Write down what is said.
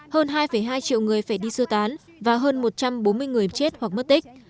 hơn hai hai triệu người phải đi sơ tán và hơn một trăm bốn mươi người chết hoặc mất tích